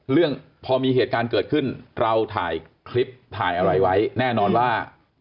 เรื่องพอมีเหตุการณ์เกิดขึ้นเราถ่ายคลิปถ่ายอะไรไว้แน่นอนว่า